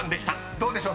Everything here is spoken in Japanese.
どうでしょう？